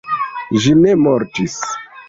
Ĝi ne mortis.